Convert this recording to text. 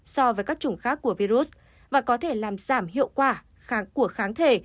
so với các chủng khác của virus và có thể làm giảm hiệu quả của kháng thể